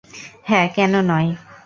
হ্যা, কেনো নয়?